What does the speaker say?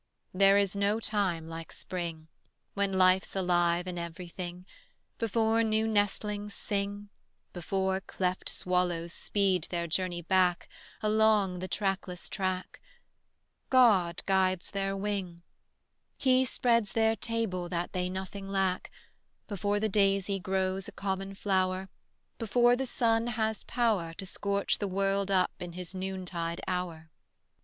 There is no time like Spring, When life's alive in everything, Before new nestlings sing, Before cleft swallows speed their journey back Along the trackless track, God guides their wing, He spreads their table that they nothing lack, Before the daisy grows a common flower, Before the sun has power To scorch the world up in his noontide hour.